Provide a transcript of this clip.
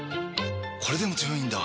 これでも強いんだ！